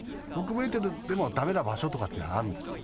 ６メートルでもだめな場所とかってあるんです。